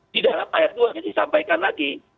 di dalam ayat dua hanya disampaikan lagi